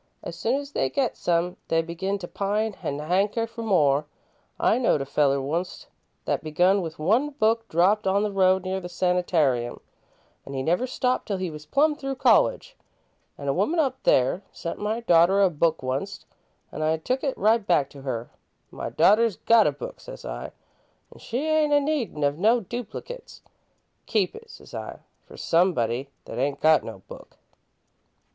As soon as they get some, they begin to pine an' hanker for more. I knowed a feller wunst that begun with one book dropped on the road near the sanitarium, an' he never stopped till he was plum through college. An' a woman up there sent my darter a book wunst, an' I took it right back to her. 'My darter's got a book,' says I, 'an' she ain't a needin' of no duplicates. Keep it,' says I, 'fer somebody that ain't got no book."